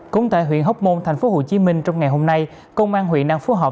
cũng tại huyện hóc môn thành phố hồ chí minh trong ngày hôm nay công an huyện đang phù hợp